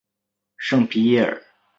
圣皮耶尔。